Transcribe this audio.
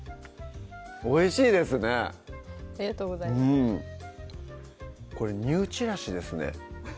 おいしいですねありがとうございますこれニューちらしですね